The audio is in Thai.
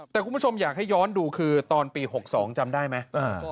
แต่คุณผู้ชมอยากให้ย้อนดูคือตอนปี๖๒จำได้ไหม